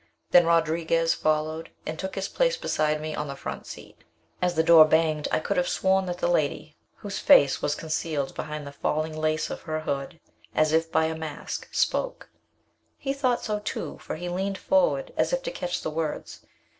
Then Rodriguez followed, and took his place beside me on the front seat. As the door banged I could have sworn that the lady, whose face was concealed behind the falling lace of her hood, as if by a mask, spoke. He thought so, too, for he leaned forward as if to catch the words.